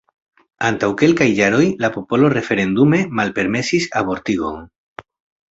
Antaŭ kelkaj jaroj la popolo referendume malpermesis abortigon.